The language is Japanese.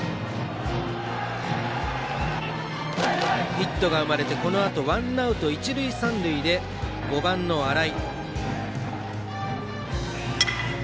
ヒットが生まれてワンアウト、一塁三塁で５番の新井。